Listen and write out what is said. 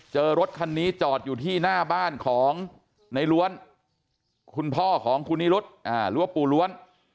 รถคันนี้จอดอยู่ที่หน้าบ้านของในล้วนคุณพ่อของคุณนิรุธหรือว่าปู่ล้วน